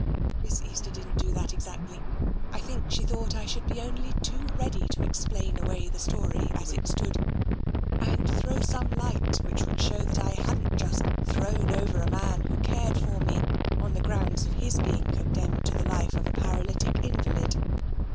" Miss Easter didn't do that, exactly. I think she thought I should be only too ready to explain away the story as it stood, and throw some light which would show that I hadn't just thrown over a man who cared for me on the grounds of his being condemned to the life of a paralytic invalid."